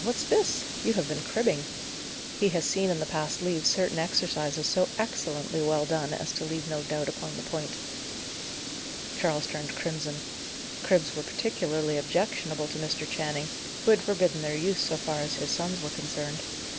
what's this! You have been cribbing." He had seen in the past leaves certain exercises so excellently well done as to leave no doubt upon the point. Charles turned crimson. Cribs were particularly objectionable to Mr. Channing, who had forbidden their use, so far as his sons were concerned.